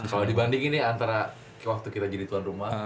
kalau dibandingin nih antara waktu kita jadi tuan rumah